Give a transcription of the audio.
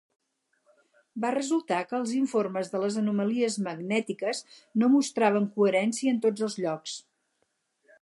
Va resultar que els informes de les anomalies magnètiques no mostraven coherència en tots els llocs.